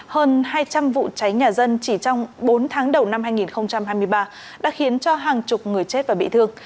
hơn hai trăm linh vụ cháy nhà dân chỉ trong bốn tháng đầu năm hai nghìn hai mươi ba đã khiến cho hàng chục người chết và bị thương